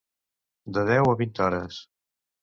De deu a vint hores.